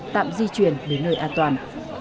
tạm di chuyển đến nơi an toàn